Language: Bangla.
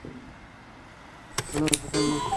মনে হয় এটা এমন কোনো ভয়ঙ্কর ব্যাপার না।